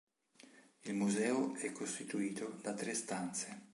Il museo è costituito da tre stanze.